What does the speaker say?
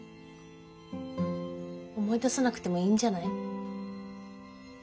思い出さなくてもいいんじゃない？